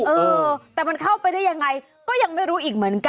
เออแต่มันเข้าไปได้ยังไงก็ยังไม่รู้อีกเหมือนกัน